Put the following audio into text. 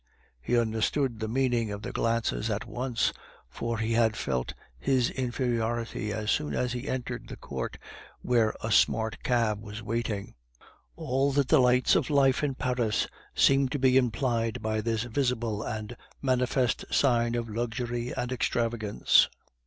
He understood the meaning of their glances at once, for he had felt his inferiority as soon as he entered the court, where a smart cab was waiting. All the delights of life in Paris seemed to be implied by this visible and manifest sign of luxury and extravagance.